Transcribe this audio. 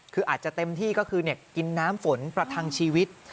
คืออาจจะเต็มที่ก็คือกินน้ำฝนประทังชีวิต